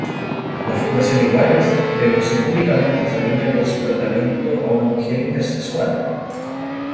La Fundación Iguales denunció públicamente a Fariña por su tratamiento a una mujer intersexual.